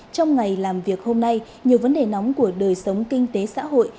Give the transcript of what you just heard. trong ngày làm việc hôm nay nhiều vấn đề nóng của đời sống kinh tế xã hội